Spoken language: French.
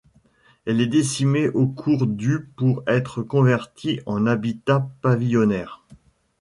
Elle est décimée au cours du pour être convertie en habitat pavillonnaire.